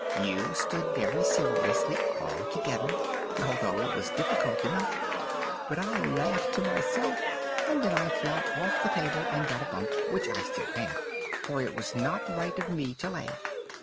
You stood very seriously all together, although it was difficult enough; but I laughed to myself, and then I fell off the table, and got a bump, which I have still for it was not right of me to laugh.